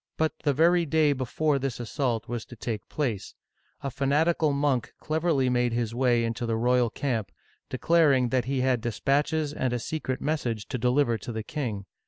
But the very day before this assault was to take place, a fanatical monk cleverly made his way into the royal camp, declaring that he had dispatches and a secret mes sage to deliver to the king.